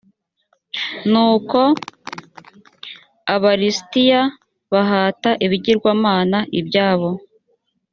nuko aba lisitiya bahata ibigirwamana i byabo